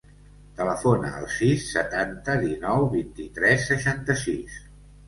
Telefona al sis, setanta, dinou, vint-i-tres, seixanta-sis.